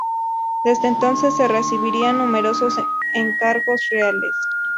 Desde entonces recibiría numerosos encargos reales.